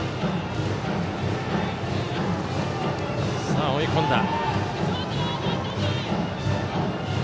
さあ、追い込んだ。